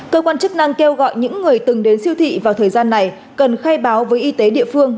cơ quan chức năng kêu gọi những người từng đến siêu thị vào thời gian này cần khai báo với y tế địa phương